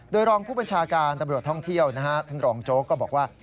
โดยรองผู้บัญชาการตำรวจท่องเที่ยวท่านรองโจ๊กก็บอกว่า